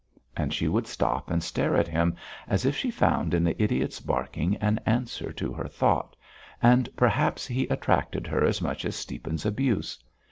And she would stop and stare at him as if she found in the idiot's barking an answer to her thought, and perhaps he attracted her as much as Stiepan's abuse.